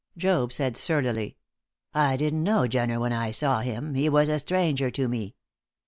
Job said, surlily. "I didn't know Jenner when I saw him; he was a stranger to me."